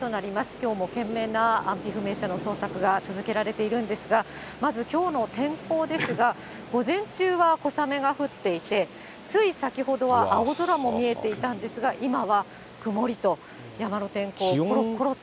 きょうも懸命な安否不明者の捜索が続けられているんですが、まずきょうの天候ですが、午前中は小雨が降っていて、つい先ほどは青空も見えていたんですが、今は曇りと、山の天候、ころころと。